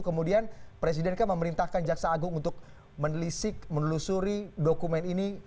kemudian presiden kan memerintahkan jaksa agung untuk menelisik menelusuri dokumen ini